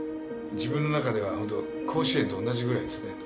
自分の中ではホント甲子園と同じぐらいですね